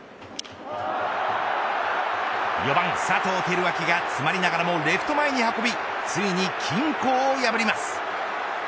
４番、佐藤輝明が詰まりながらもレフト前に運びついに均衡を破ります。